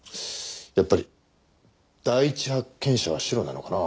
やっぱり第一発見者はシロなのかな？